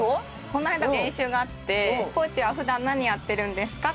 この間練習があってコーチは普段何やってるんですか？